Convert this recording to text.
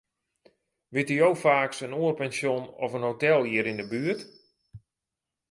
Witte jo faaks in oar pensjon of in hotel hjir yn 'e buert?